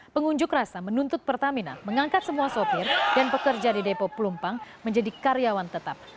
pengunjuk rasa menuntut pertamina mengangkat semua sopir dan pekerja di depo pelumpang menjadi karyawan tetap